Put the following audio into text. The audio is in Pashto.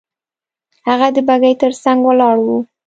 هغه د بګۍ تر څنګ ولاړ وو.